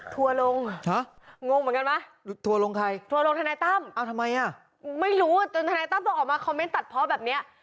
ทัวร์ลงงงเหมือนกันไหมทัวร์ลงทันายตั้มไม่รู้ทันายตั้มต้องออกมาคอมเม้นต์ตัดพอแบบเนี้ย